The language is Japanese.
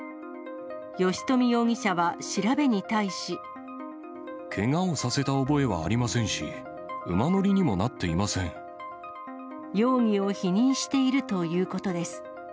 吉冨容疑者は調べに対し。けがをさせた覚えはありませ容疑を否認しているということです。